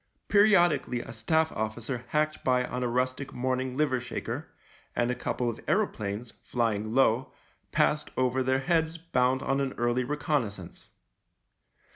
Periodic ally a Staff officer hacked by on a rustic morn ing liver shaker, and a couple of aeroplanes, flying low, passed over their heads bound on an early reconnaissance.